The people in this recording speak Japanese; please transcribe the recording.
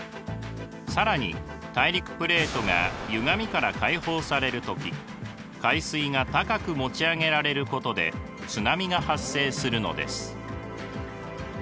更に大陸プレートがゆがみから解放される時海水が高く持ち上げられることで津波が発生するのです。